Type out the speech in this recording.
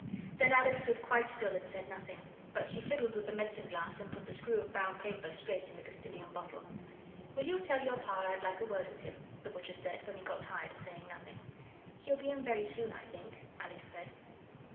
Then Alice stood quite still and said nothing, but she fiddled with the medicine glass and put the screw of brown paper straight in the Castilian bottle. 'Will you tell your Pa I'd like a word with him?' the butcher said, when he got tired of saying nothing. 'He'll be in very soon, I think,' Alice said.